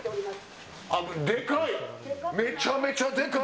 でかい！